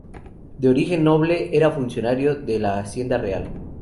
De origen noble, era funcionario de la Hacienda Real.